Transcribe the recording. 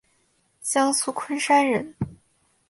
江苏昆山人。